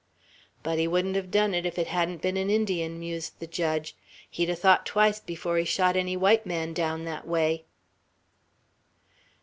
"But he wouldn't have done it, if it hadn't been an Indian!" mused the judge. "He'd ha' thought twice before he shot any white man down, that way."